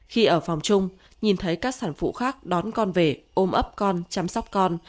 khi ở phòng chung nhìn thấy các sản phụ khác đón con về ôm ấp con chăm sóc con